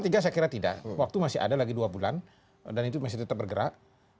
saya kira tidak waktu masih ada lagi dua bulan dan itu masih tetap bergerak